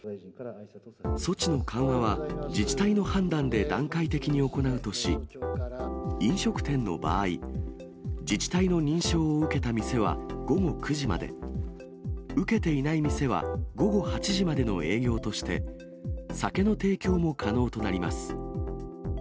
措置の緩和は、自治体の判断で段階的に行うとし、飲食店の場合、自治体の認証を受けた店は午後９時まで、受けていない店は午後８時までの営業として、酒の提供も可能となります。